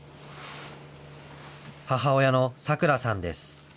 母親のさくらさんです。